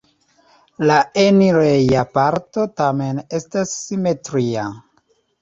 La enireja parto tamen estas simetria.